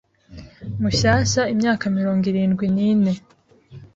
Mushyashya imyaka mirongo irindwi nine